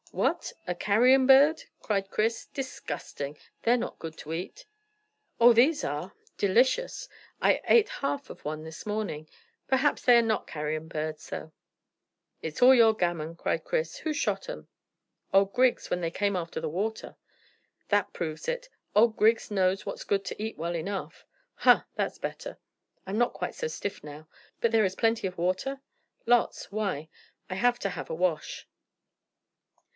"What! A carrion bird?" cried Chris. "Disgusting! They're not good to eat." "Oh, these are delicious. I ate half of one this morning. Perhaps they're not carrion birds, though." "It's all your gammon," cried Chris. "Who shot them?" "Old Griggs, when they came after the water." "That proves it. Old Griggs knows what's good to eat well enough. Hah, that's better. I'm not quite so stiff now. But is there plenty of water?" "Lots. Why?" "I want to have a wash."